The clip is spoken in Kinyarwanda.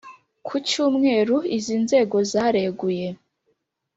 Ku cyumweru, izi nzego zareguye